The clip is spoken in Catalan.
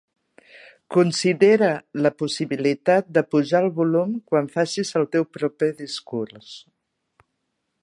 Considera la possibilitat de pujar el volum quan facis el teu proper discurs.